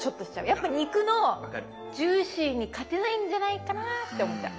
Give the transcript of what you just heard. やっぱ肉のジューシーに勝てないんじゃないかなって思っちゃう。